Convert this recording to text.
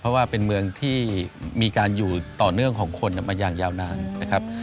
เพราะว่าเป็นเมืองที่มีการอยู่ต่อเนื่องของคนมาอย่างยาวนานนะครับ